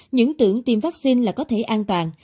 những tưởng tiêm vaccine là có thể an toàn